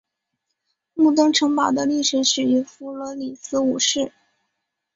木登城堡的历史始于弗罗里斯五世。